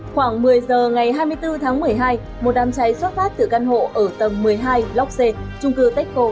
khoảng một mươi h ngày hai mươi bốn tháng một mươi hai một đám cháy xuất phát từ căn hộ ở tầng một mươi hai lóc xê trung cư tết cộ